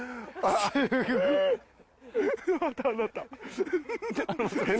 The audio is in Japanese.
すごい。